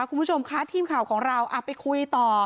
คุณผู้ชมคะทีมข่าวของเราไปคุยต่อ